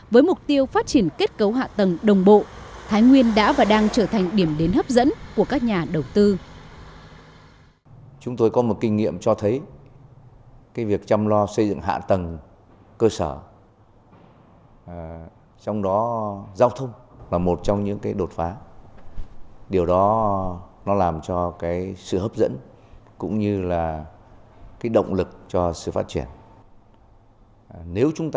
với mục tiêu phát triển kết cấu hạ tầng đồng bộ thái nguyên đã và đang trở thành điểm đến hấp dẫn của các nhà đầu tư